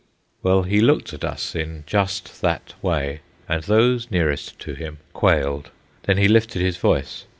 Well, he looked at us in just that way, and those nearest to him quailed. Then he lifted his voice.